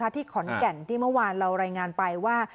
ที่ขอนแก่นที่เมื่อวานเรารายงานไปว่า